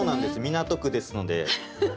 港区ですので。